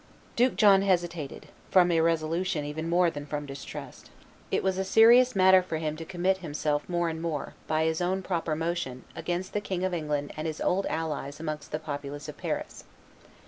Duke John hesitated, from irresolution even more than from distrust. It was a serious matter for him to commit himself more and more, by his own proper motion, against the King of England and his old allies amongst the populace of Paris.